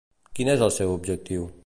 Quin és el seu objectiu?